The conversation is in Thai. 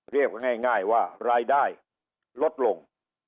เรียกง่ายว่ารายได้ลดลง